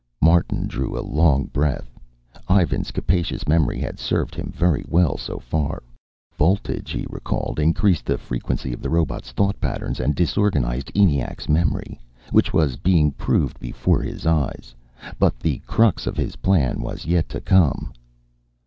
Martin drew a long breath. Ivan's capacious memory had served him very well so far. Voltage, he recalled, increased the frequency of the robot's thought patterns and disorganized ENIAC's memory which was being proved before his eyes. But the crux of his plan was yet to come....